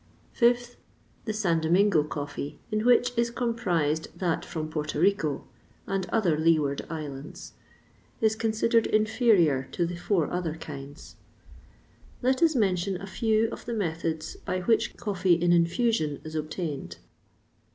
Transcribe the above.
5th. The St. Domingo coffee, in which is comprised that from Porto Rico, and other leeward islands, is considered inferior to the four other kinds. Let us mention a few of the methods by which coffee in infusion is obtained.